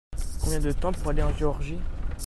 Combien de temps pour aller en Georgie ?